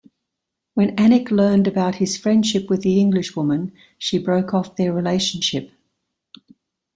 When Annick learned about his friendship with the Englishwoman, she broke off their relationship.